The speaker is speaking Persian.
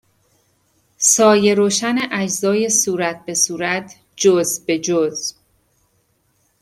سایه روشن اجزای صورت به صورت جزء به جزء